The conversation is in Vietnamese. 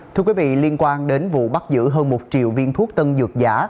thưa quý vị liên quan đến vụ bắt giữ hơn một triệu viên thuốc tân dược giả